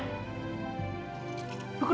kau kan dokter